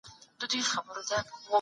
دا کیسه د سړي د ملاتړ نمونه ده.